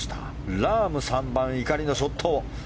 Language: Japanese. ラーム３番、怒りのショット。